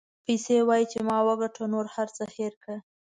پیسې وایي چې ما وګټه نور هر څه هېر کړه.